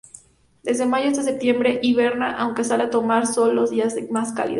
Desde mayo hasta septiembre hiberna, aunque salen a tomar sol los días más cálidos.